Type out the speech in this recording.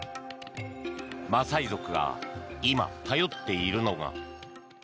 マサイ族が今、頼っているのが。